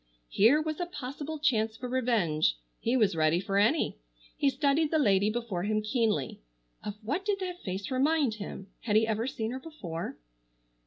Here was a possible chance for revenge. He was ready for any. He studied the lady before him keenly. Of what did that face remind him? Had he ever seen her before?